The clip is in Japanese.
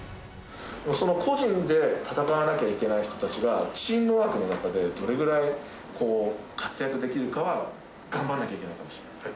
個人で戦わなきゃいけない人たちが、チームワークの中でどれぐらい活躍できるかは頑張らなきゃいけないかもしれない。